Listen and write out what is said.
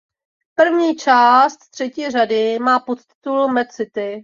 První část třetí řady má podtitul Mad City.